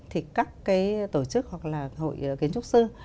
thì các cái tổ chức hoặc là hội kiến trúc sư